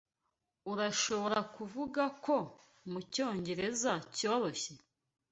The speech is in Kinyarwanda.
Urashobora kuvuga ko mucyongereza cyoroshye?